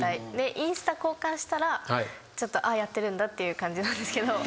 インスタ交換したら「あっやってるんだ」っていう感じなんですけど。